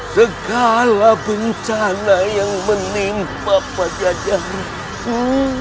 segala bencana yang menimpa pada jarakmu